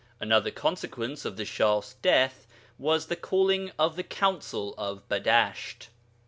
Another consequence of the Shah's death was the calling of the Council of Badasht.